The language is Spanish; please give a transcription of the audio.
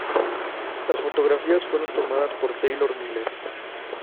Las fotografías fueron tomadas por Taylor Miller.